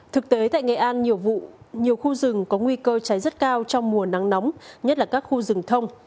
thực tế tại nghệ an nhiều vụ nhiều khu rừng có nguy cơ cháy rất cao trong mùa nắng nóng nhất là các khu rừng thông